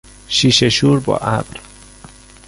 شیشه شور با ابر